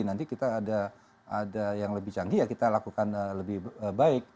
nanti kita ada yang lebih canggih ya kita lakukan lebih baik